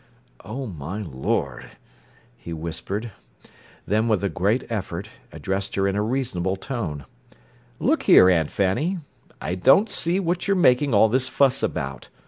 "Oh, my Lord!" he whispered; then, with a great effort, addressed her in a reasonable tone: "Look here, Aunt Fanny; I don't see what you're making all this fuss about.